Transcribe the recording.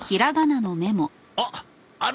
あっあの